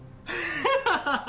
ハハハハ！